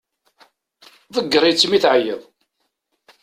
Tegger-itt imi teɛyiḍ.